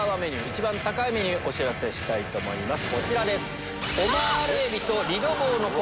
一番高いメニューお知らせしたいと思います。